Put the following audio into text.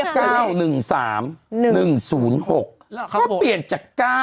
ก็เปลี่ยนจาก๙